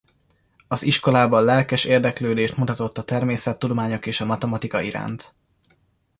Az iskolában lelkes érdeklődést mutatott a természettudományok és a matematika iránt.